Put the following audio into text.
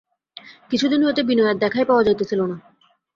কিছুদিন হইতে বিনয়ের দেখাই পাওয়া যাইতেছিল না।